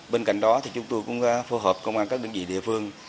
bên cạnh đó chúng tôi cũng phù hợp công an các định dị địa phương